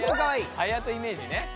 はやとイメージね。